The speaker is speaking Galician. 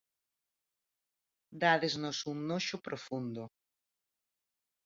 Dádesnos un noxo profundo.